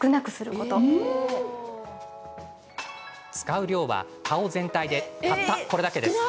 使う量は、顔全体でたった、これだけ。